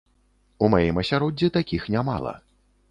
У маім асяроддзі такіх нямала.